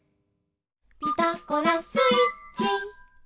「ピタゴラスイッチ」